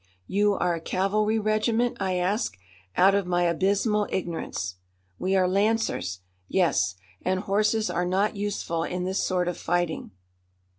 "You are a cavalry regiment?" I asked, out of my abysmal ignorance. "We are Lancers. Yes. And horses are not useful in this sort of fighting."